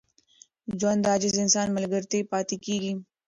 ژوند د عاجز انسان ملګری پاتې کېږي.